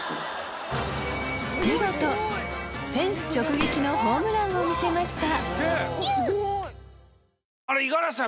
見事フェンス直撃のホームランを見せました五十嵐さん